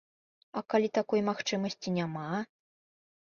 А калі такой магчымасці няма?